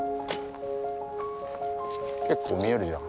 結構見えるじゃん。